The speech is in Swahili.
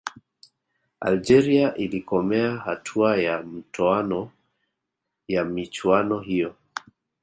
algeria ilikomea hatua ya mtoano ya michuano hiyo